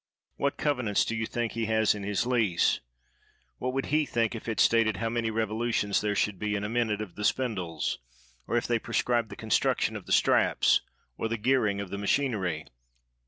What covenants do you think he has in his lease? What would he think if it stated how many revolutions there should be in a min ute of the spindles, or if they prescribed th« construction of the straps or the gearing of the machinery?